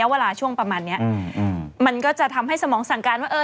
ระยะเวลาช่วงประมาณเนี้ยอืมมันก็จะทำให้สมองสั่งการว่าเออ